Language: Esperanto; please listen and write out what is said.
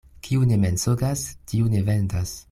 Kiu ne mensogas, tiu ne vendas.